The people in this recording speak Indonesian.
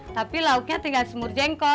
tapi lauknya tinggal semur jengkol